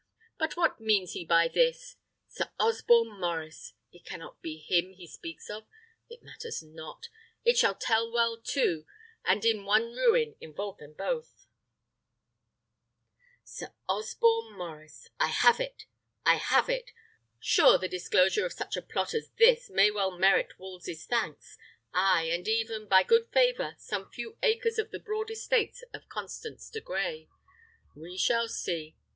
But what means he by this? Sir Osborne Maurice! It cannot be him he speaks of. It matters not; it shall tell well, too, and in one ruin involve them both. Sir Osborne Maurice! I have it! I have it! Sure the disclosure of such a plot as this may well merit Wolsey's thanks; ay, and even, by good favour, some few acres off the broad estates of Constance de Grey. We shall see.